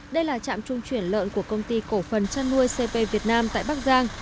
đây là trạm trung chuyển lợn của công ty cổ phần chăn nuôi cp việt nam tại bắc giang